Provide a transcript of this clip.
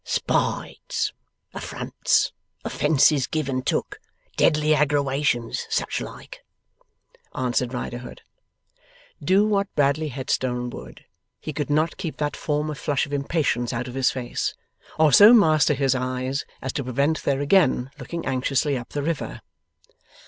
'Spites, affronts, offences giv' and took, deadly aggrawations, such like,' answered Riderhood. Do what Bradley Headstone would, he could not keep that former flush of impatience out of his face, or so master his eyes as to prevent their again looking anxiously up the river.